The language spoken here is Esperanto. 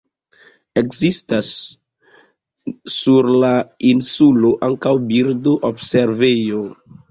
Ekzistas sur la insulo ankaŭ birdo-observejo.